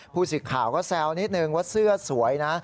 ผู้สื่อข่าวก็แซวนิดนึงว่าเสื้อสวยนะ